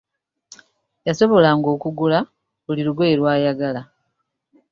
Yasobolanga okugula buli lugoye lw'ayagala.